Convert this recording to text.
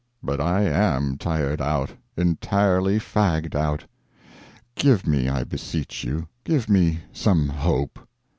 But I am tired out entirely fagged out. Give me, I beseech you, give me some hope!"